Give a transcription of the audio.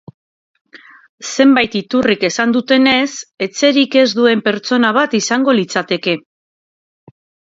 Zenbait iturrik esan dutenez, etxerik ez duen pertsona bat izango litzateke.